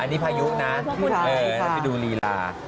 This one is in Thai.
อันนี้พายุนะถ้าไปดูลีลา